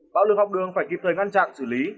bạo lực học đường phải kịp thời ngăn chặn xử lý